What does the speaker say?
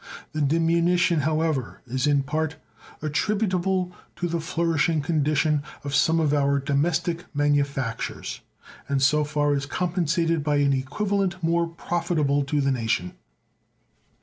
The diminution, however, is in part attributable to the flourishing condition of some of our domestic manufactures, and so far is compensated by an equivalent more profitable to the nation.